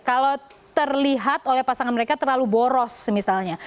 kalau terlihat oleh pasangan mereka terlalu boros misalnya